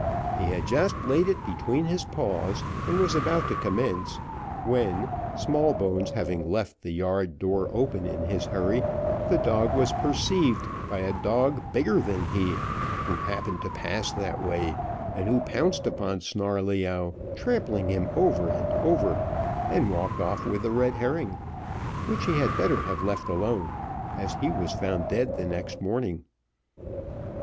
He had just laid it between his paws, and was about to commence, when Smallbones, having left the yard door open in his hurry, the dog was perceived by a dog bigger than he, who happened to pass that way, and who pounced upon Snarleyyow, trampling him over and over, and walked off with the red herring, which he had better have left alone, as he was found dead the next morning.